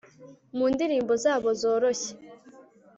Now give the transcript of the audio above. Mu ndirimbo zabo zoroshye